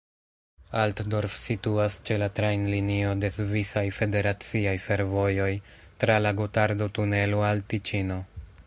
Altdorf situas ĉe la trajnlinio de Svisaj Federaciaj Fervojoj tra la Gotardo-tunelo al Tiĉino.